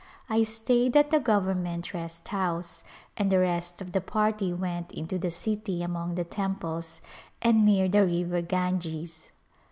I stayed at the Government Rest House, and the rest of the party went into the city among the temples and near the river Ganges.